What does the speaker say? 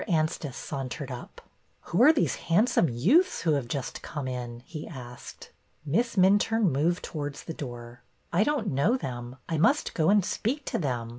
Anstice sauntered up. Who are these handsome youths who have just come in? " he asked. Miss Minturne moved towards the door. '' I don't know them. I must go and speak to them.